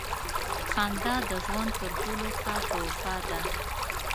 • خندا د ژوند تر ټولو ښه تحفه ده.